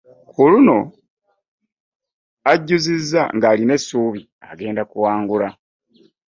Ku luno ajjuzizza ng'alina essuubi agenda kuwangula.